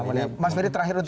untuk menutupi diskusi kita